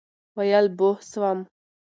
ویل بوه سوم.